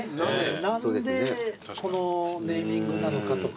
何でこのネーミングなのかとか。